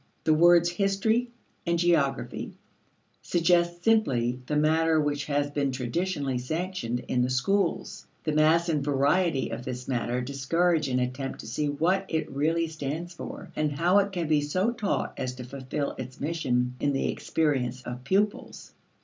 The words "history" and "geography" suggest simply the matter which has been traditionally sanctioned in the schools. The mass and variety of this matter discourage an attempt to see what it really stands for, and how it can be so taught as to fulfill its mission in the experience of pupils.